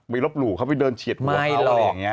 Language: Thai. ไปลบหลู่เขาไปเดินเฉียดหัวเขาไม่หรอก